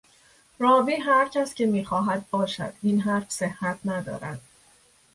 راوی هر کس که میخواهد باشد، این حرف صحت ندارد.